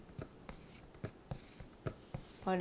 「あれ？